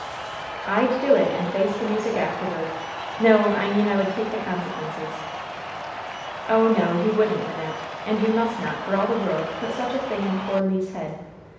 "I'd do it, and face the music afterward. No I mean I would take the consequences." "Oh, no, you wouldn't, Wynnette. And you must not, for all the world, put such a thing in poor Le's head.